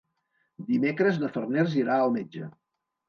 Dimecres na Farners irà al metge.